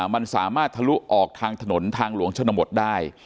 มันสามารถทะลุออกทางถนนทางหลวงชนบทได้